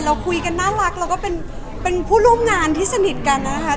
เราคุยกันน่ารักเราก็เป็นผู้ร่วมงานที่สนิทกันนะคะ